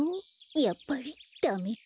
やっぱりダメだ。